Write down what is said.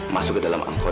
masuk ke dalam angkot